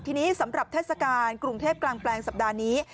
ทีนี้สำหรับเทศกาลกรุงเทพกลางแปลงสัปดาห์นี้